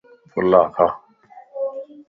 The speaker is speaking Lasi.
ڦلا کا